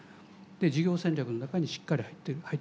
で事業戦略の中にしっかり入っていると。